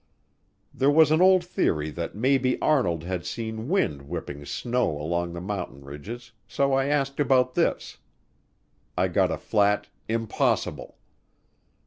There was an old theory that maybe Arnold had seen wind whipping snow along the mountain ridges, so I asked about this. I got a flat "Impossible."